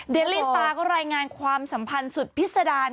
เดี๋ยวลีสตาร์ก็รายงานความสัมพันธ์สุดพิษดาร